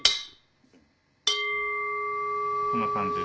こんな感じで。